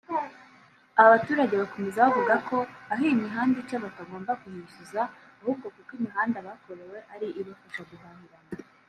Aba baturage bakomeza bavuga ko aho iyi mihanda ica batogomba kuhishyuza ahubwo kuko imihanda bakorewe ari ibafasha guhahirana